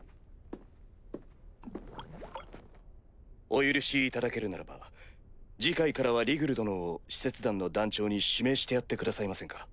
お許しいただけるならば次回からはリグル殿を使節団の団長に指名してやってくださいませんか？